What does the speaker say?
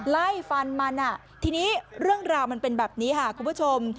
ไล่ฟันมันทีนี้เรื่องราวมันเป็นแบบนี้ค่ะคุณผู้ชม